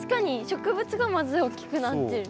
植物がまず大きくなってる。